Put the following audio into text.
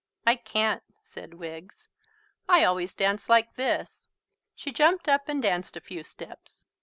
"I can't," said Wiggs. "I always dance like this." She jumped up and danced a few steps.